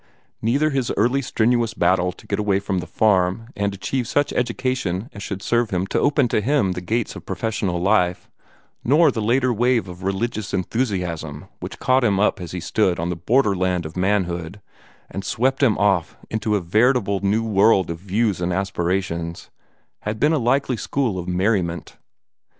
Neither his early strenuous battle to get away from the farm and achieve such education as should serve to open to him the gates of professional life, nor the later wave of religious enthusiasm which caught him up as he stood on the border land of manhood, and swept him off into a veritable new world of views and aspirations, had been a likely school of merriment.